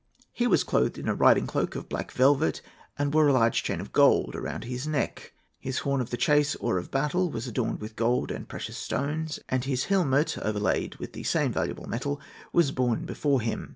He was clothed in a riding cloak of black velvet, and wore a large chain of gold around his neck; his horn of the chase, or of battle, was adorned with gold and precious stones, and his helmet, overlaid with the same valuable metal, was borne before him.